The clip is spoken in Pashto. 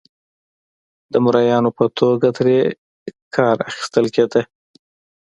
د مریانو په توګه ترې کار اخیستل کېده.